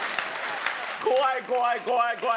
怖い怖い怖い怖い。